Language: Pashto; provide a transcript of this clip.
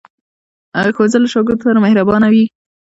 ښوونځی له شاګرد سره مهرباني کوي